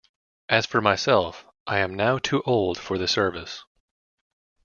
As for myself, I am now too old for the service.